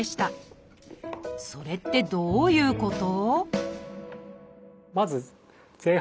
それってどういうこと？